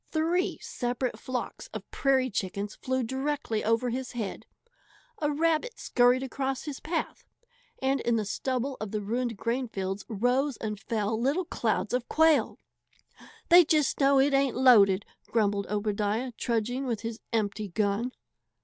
Three separate flocks of prairie chickens flew directly over his head, a rabbit scurried across his path, and in the stubble of the ruined grainfields rose and fell little clouds of quail. "They just know it ain't loaded!" grumbled Obadiah, trudging with his empty gun.